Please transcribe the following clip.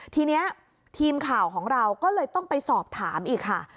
ทีนี้ทีมข่าวของเราก็เลยต้องไปสอบถามอีกค่ะ